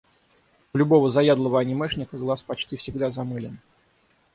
У любого заядлого анимешника глаз почти всегда замылен.